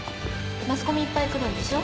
マスコミいっぱい来るんでしょ？